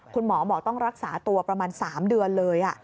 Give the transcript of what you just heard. คุณหมอบอกต้องรักษาตัวประมาณ๓เดือนเลย